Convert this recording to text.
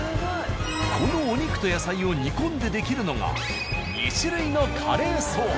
このお肉と野菜を煮込んで出来るのが２種類のカレーソース。